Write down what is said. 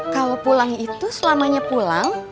kalau pulang itu selamanya pulang